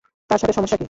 তার সাথে সমস্যা কি?